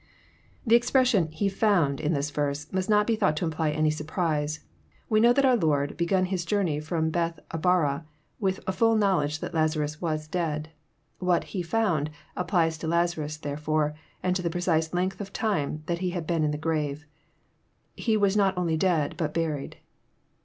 The expression, ''He found," in this verse, must not be thought to imply any surprise. We know that our Lord begun His journey from Bethabara with a ftiU knowledge that Lazarus was dead. What '< He found applies to Lazarus therefore, and to the precise length of time that he had been in the grave. He VI as not only dead, but buried.